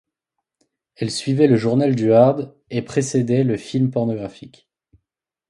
Elle suivait Le Journal du Hard et précédait le film pornographique.